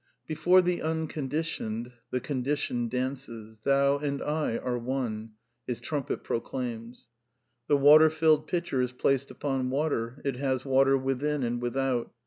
(xxvi.) "Before the Unconditioned, the Conditioned dances. sy ' Thou and I are one I ' His trumpet proclaims." (xLV.) "The water filled pitcher is placed upon water, it has water within and without.